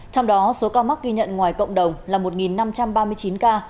trong đó số ca mắc ghi nhận ngoài cộng đồng là một năm trăm ba mươi chín ca